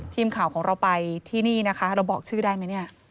ทีมข่าวของเราไปที่นี่นะคะเราบอกชื่อได้ไหมเนี่ย